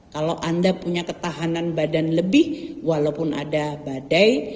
kalau anda punya ketahanan badan lebih walaupun ada badai